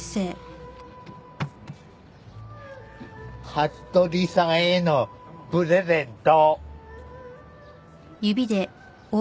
服部さんへのプレゼント。